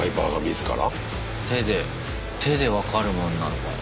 手で手で分かるもんなのかな。